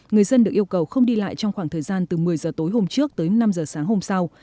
người dân được yêu cầu không đi lại trong khoảng thời gian từ một mươi giờ tối hôm trước tới năm h sáng hôm sau